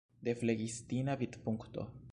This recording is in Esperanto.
De flegistina vidpunkto.